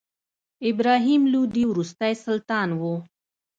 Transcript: ابراهیم لودي وروستی سلطان و.